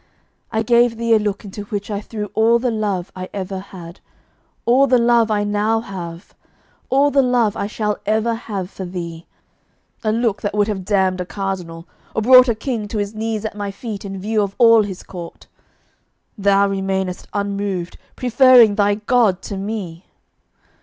I gave thee a look into which I threw all the love I ever had, all the love I now have, all the love I shall ever have for thee a look that would have damned a cardinal or brought a king to his knees at my feet in view of all his court. Thou remainedst unmoved, preferring thy God to me!